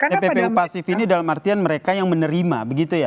tppu pasif ini dalam artian mereka yang menerima begitu ya